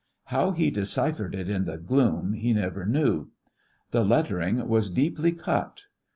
How he deciphered it in the gloom, he never knew. The lettering was deeply cut.